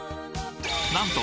なんと